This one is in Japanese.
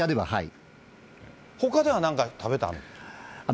ほかではなんか食べたの？